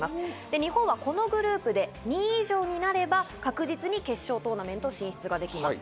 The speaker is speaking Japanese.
日本はこのグループで２位以上になれば確実に決勝トーナメント進出できます。